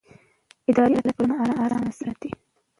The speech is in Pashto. اداري عدالت ټولنه ارامه ساتي